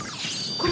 これ。